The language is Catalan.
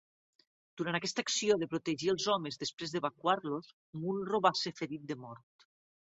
Durant aquesta acció de protegir els homes després d'evacuar-los, Munro va ser ferit de mort.